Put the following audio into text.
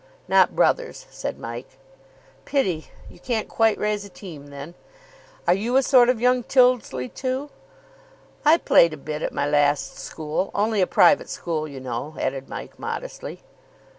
"Not brothers," said Mike. "Pity. You can't quite raise a team, then? Are you a sort of young Tyldesley, too?" "I played a bit at my last school. Only a private school, you know," added Mike modestly.